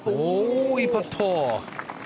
いいパット！